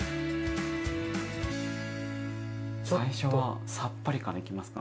最初はさっぱりからいきますか？